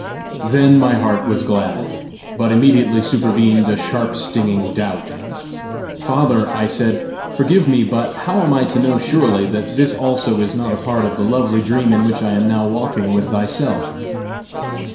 Then my heart was glad. But immediately supervened a sharp stinging doubt. "Father," I said, "forgive me, but how am I to know surely that this also is not a part of the lovely dream in which I am now walking with thyself?"